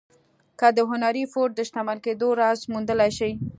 که د هنري فورډ د شتمن کېدو راز موندلای شئ.